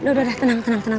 udah udah tenang tenang tenang